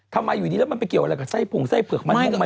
ทำมาอยู่นี้แล้วมันไปเกี่ยวอะไรกับไส้พุ่งไส้เปลือกลมตัว